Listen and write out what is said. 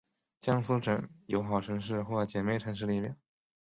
江苏省友好城市或姐妹城市列表